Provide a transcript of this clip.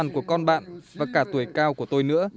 con bạn và cả tuổi cao của tôi nữa